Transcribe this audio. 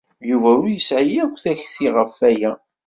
Yuba ur yesɛi akk takti ɣef waya.